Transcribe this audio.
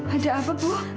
ada apa bu